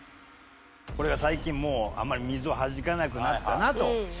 これが最近もうあんまり水をはじかなくなったなとしましょう。